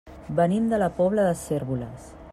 Venim de la Pobla de Cérvoles.